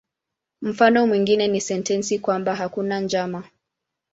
Mfano mwingine ni sentensi kwamba "hakuna njama".